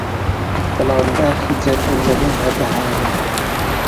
بەڵام داخی جەرگم لەگەڵ هەر بەهارێ